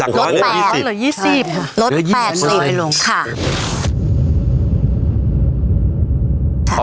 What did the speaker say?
เหลือ๒๐จากลด๘ลด๘๐ลงค่ะ